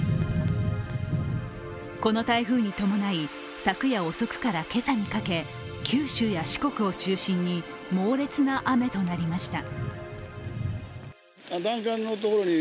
この台風に伴い、昨夜遅くから今朝にかけ、九州や四国を中心に猛烈な雨となりました。